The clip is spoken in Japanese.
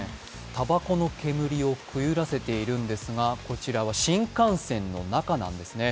たばこの煙をくゆらせているんですが、こちらは新幹線の中なんですね。